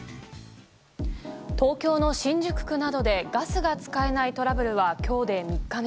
東京の新宿区などでガスが使えないトラブルが今日で３日目。